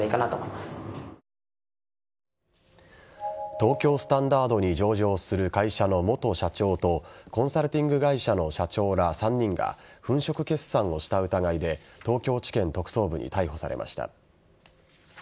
東京スタンダードに上場する会社の元社長とコンサルティング会社の社長ら３人が粉飾決算をした疑いで東京地検特捜部に逮捕されました。